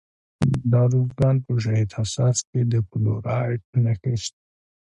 د ارزګان په شهید حساس کې د فلورایټ نښې شته.